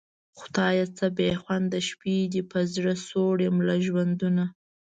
خدایه څه بېخونده شپې دي په زړه سوړ یم له ژوندونه